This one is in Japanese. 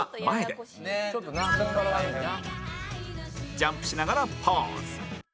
ジャンプしながらポーズ